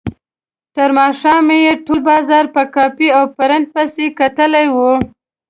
تر ماښامه یې ټول بازار په کاپي او پرنټ پسې کتلی و.